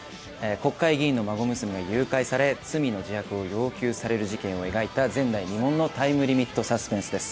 国会議員の孫娘が誘拐され罪の自白を要求される事件を描いた前代未聞のタイムリミットサスペンスです。